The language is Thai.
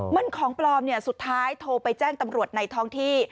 มันของปลอมสุดท้ายโทรไปแจ้งตำรวจในท้องที่